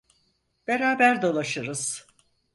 Beraber dolaşırız.